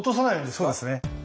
そうですね。